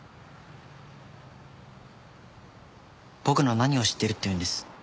僕の何を知ってるっていうんです？